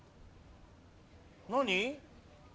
何？